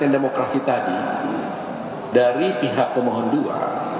yang demokrasi tadi dari pihak pemohon dua